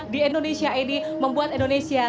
di indonesia ini membuat indonesia